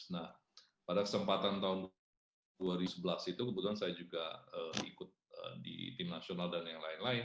nah pada kesempatan tahun dua ribu sebelas itu kebetulan saya juga ikut di tim nasional dan yang lain lain